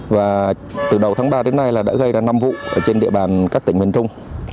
và từ đầu tháng ba đến nay là đã gây ra năm vụ ở trên địa bàn các tỉnh miền trung